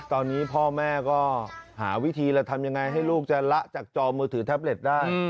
ตอนนี้พ่อแม่ก็หาวิธีแล้วทำยังไงให้ลูกจะละจากจอมือถือแท็บเล็ตได้